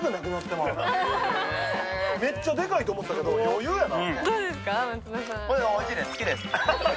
めっちゃでかいと思ってたけど、余裕やな。